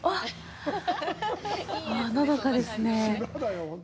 のどかですね。